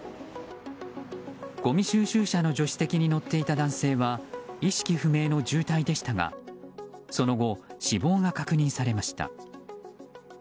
ごみ収集車の助手席に乗っていた男性は意識不明の重体でしたがその後、死亡が確認されました。